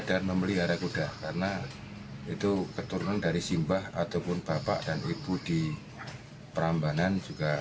dan memelihara kuda karena itu keturunan dari simbah ataupun bapak dan ibu di prambanan juga